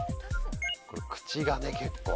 これ口がね結構。